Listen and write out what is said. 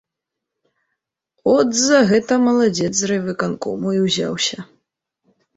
От за гэта маладзец з райвыканкому і ўзяўся.